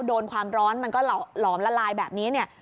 โดนความร้อนมันก็หลอมละลายแบบนี้เนี่ย